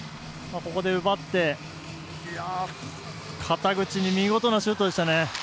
ここで奪って、肩口に見事なシュートでしたね。